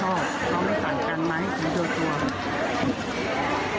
เราไม่สั่งกันไหมมีเดินตัว